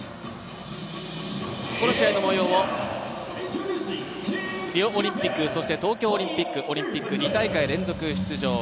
この試合の模様をリオオリンピックそして東京オリンピックオリンピック２大会連続出場。